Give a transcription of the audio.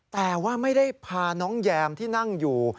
แต่ว่าไม่ได้พาน้องแยมที่นั่งอยู่